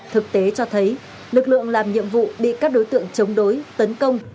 thực tế cho thấy lực lượng làm nhiệm vụ bị các đối tượng chống đối tấn công